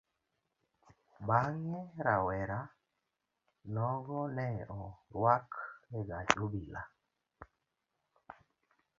Bang'e rawera nogo ne orwak egach obila.